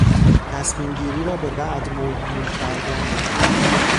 تصمیمگیری را به بعد موکول کردن